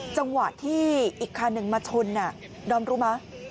จังหวะที่อีกคันหนึ่งมาชนน่ะน้องรู้มั้ย